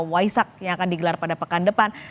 waisak yang akan digelar pada pekan depan